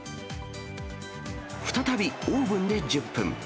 再びオーブンで１０分。